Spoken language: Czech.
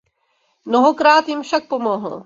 Mnohokrát jim však pomohl.